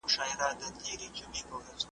څنګه د مصر په بازار کي زلیخا ووینم ,